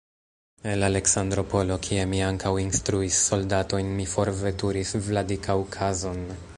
El Aleksandropolo, kie mi ankaŭ instruis soldatojn, mi forveturis Vladikaŭkazon.